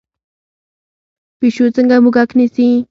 پیشو څنګه موږک نیسي؟